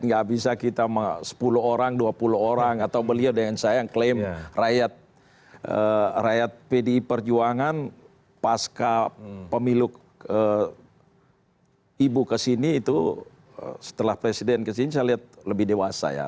gak bisa kita sepuluh orang dua puluh orang atau beliau dengan saya yang klaim rakyat pdi perjuangan pasca pemilu ibu kesini itu setelah presiden kesini saya lihat lebih dewasa ya